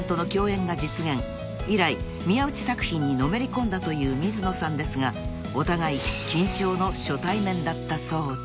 ［以来宮内作品にのめり込んだという水野さんですがお互い緊張の初対面だったそうで］